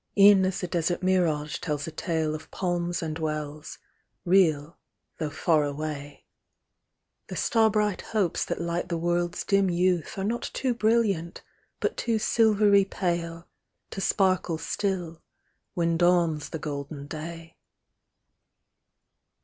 E'en as the desert mirage tells a tale Of palms and wells, real, though far away : The star bright hopes that light the world's dim youth Are not too brilliant, but too silvery pale, To sparkle still, when dawns the golden day.